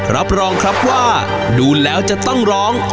รับรองครับว่าดูแล้วจะต้องร้อง